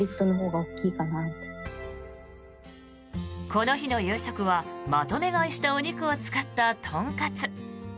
この日の夕食はまとめ買いしたお肉を使った豚カツ。